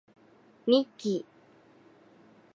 ミッキー